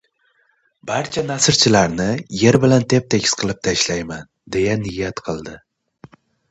"Barcha nasrchilarni yer bilan tep-tekis qilib tashlayman!" — deya niyat qildi.